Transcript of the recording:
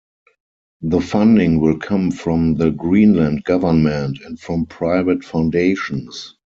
The funding will come from the Greenland Government and from private foundations.